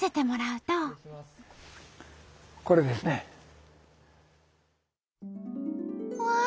うわ！